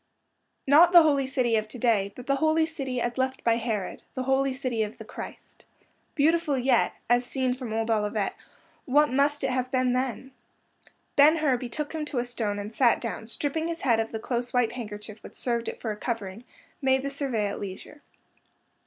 Not the Holy City of to day, but the Holy City as left by Herod—the Holy City of the Christ. Beautiful yet, as seen from old Olivet, what must it have been then? Ben Hur betook him to a stone and sat down, and, stripping his head of the close white handkerchief which served it for covering, made the survey at leisure.